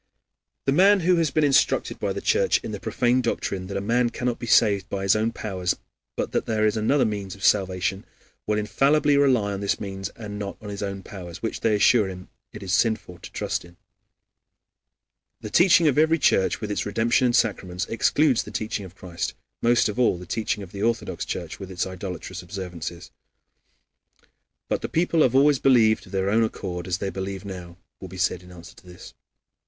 The man who has been instructed by the Church in the profane doctrine that a man cannot be saved by his own powers, but that there is another means of salvation, will infallibly rely upon this means and not on his own powers, which, they assure him, it is sinful to trust in. The teaching of every Church, with its redemption and sacraments, excludes the teaching of Christ; most of all the teaching of the Orthodox Church with its idolatrous observances. "But the people have always believed of their own accord as they believe now," will be said in answer to this.